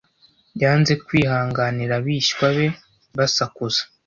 Yanze kwihanganira abishywa be basakuza.